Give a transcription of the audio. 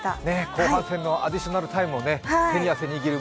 後半戦のアディショナルタイムも手に汗握る